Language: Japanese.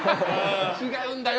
違うんだよ！